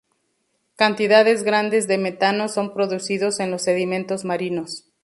Cantidades grandes de metano son producidos en los sedimentos marinos.